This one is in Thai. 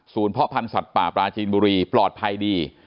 เพราะพันธ์สัตว์ป่าปราจีนบุรีปลอดภัยดี